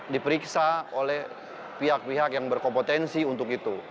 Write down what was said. diperiksa oleh pihak pihak yang berkompetensi untuk itu